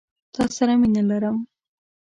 تا سره مينه لرم